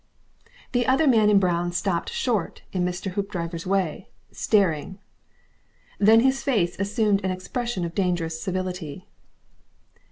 The other man in brown stopped short in Mr. Hoopdriver's way, staring. Then his face assumed an expression of dangerous civility.